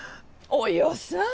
およさぁ。